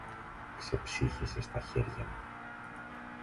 Ξεψύχησε στα χέρια μου.